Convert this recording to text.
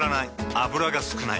油が少ない。